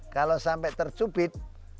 kalau sampai tercubit